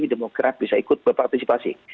demokrasi bisa ikut berpartisipasi